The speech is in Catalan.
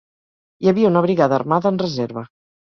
Hi havia una brigada armada en reserva.